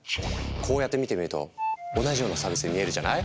こうやって見てみると同じようなサービスに見えるじゃない？